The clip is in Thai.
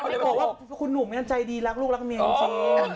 คำเดียวกันแต่บอกว่าคุณหนูมันใจดีรักลูกรักเมียจริง